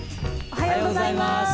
おはようございます。